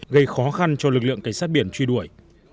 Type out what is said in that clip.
gây khó khăn cho lực lượng cảnh sát biển truy đuổi